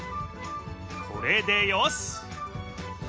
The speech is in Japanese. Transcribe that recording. これでよしっ！